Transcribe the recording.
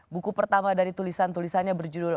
buku pertama dari tulisan tulisannya berjudul